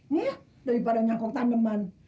nih daripada nyangkok taneman